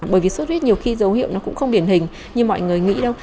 bởi vì xuất huyết nhiều khi dấu hiệu nó cũng không biển hình như mọi người nghĩ đâu